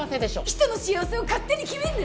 人の幸せを勝手に決めんな！